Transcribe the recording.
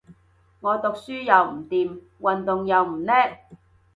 我讀書又唔掂，運動又唔叻